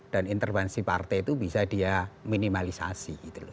dan intervensi partai itu bisa dia minimalisasi gitu loh